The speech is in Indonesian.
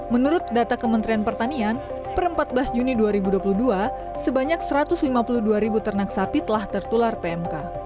menurut data kementerian pertanian per empat belas juni dua ribu dua puluh dua sebanyak satu ratus lima puluh dua ribu ternak sapi telah tertular pmk